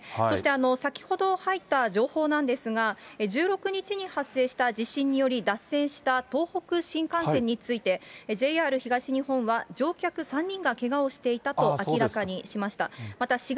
そして先ほど入った情報なんですが、１６日に発生した地震により脱線した東北新幹線について、ＪＲ東日本は乗客３人がけがをしていたと明らかにしました。